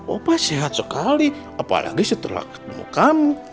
opa sehat sekali apalagi setelah ketemu kamu